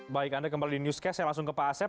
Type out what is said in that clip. baik anda kembali di newscast saya langsung ke pak asep